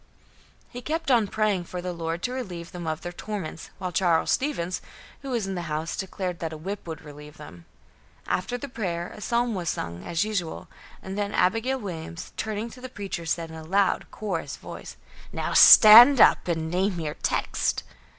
He kept on praying for the Lord to relieve them of their torments, while Charles Stevens, who was in the house, declared that a whip would relieve them. After the prayer, a psalm was sung, as usual, and then Abigail Williams, turning to the preacher, said in a loud, coarse voice: "Now stand up and name your text!"